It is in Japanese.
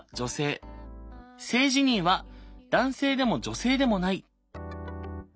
性自認は「男性でも女性でもない」。